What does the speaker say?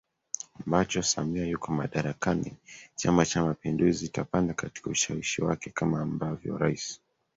ambacho Samia yuko madarakani Chama cha mapinduzi itapanda katika ushawishi wake Kama ambavyo Rais